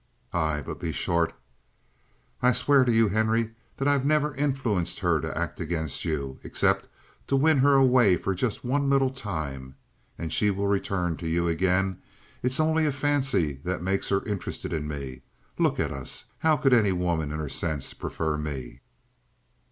"Aye, but be short." "I swear to you, Henry, that I've never influenced her to act against you; except to win her away for just one little time, and she will return to you again. It is only a fancy that makes her interested in me. Look at us! How could any woman in her senses prefer me?"